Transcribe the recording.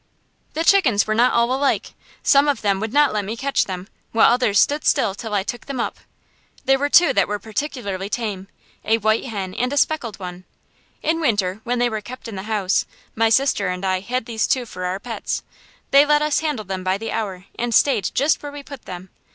The chickens were not all alike. Some of them would not let me catch them, while others stood still till I took them up. There were two that were particularly tame, a white hen and a speckled one. In winter, when they were kept in the house, my sister and I had these two for our pets. They let us handle them by the hour, and stayed just where we put them.